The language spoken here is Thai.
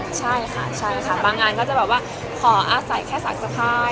ใช่ค่ะใช่ค่ะใช่ค่ะใช่ค่ะบางอันก็จะแบบว่าขออักใส่แค่สายสะพาย